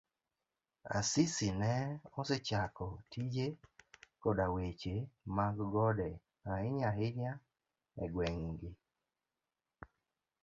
Asisi ne osechako tije koda weche mag gode ahinya hinya e gweng' gi.